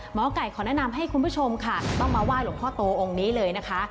หมอไก่ขอแนะนำให้คุณผู้ชมค่ะต้องมาไหว้หลวงพ่อโตองค์นี้เลยนะคะ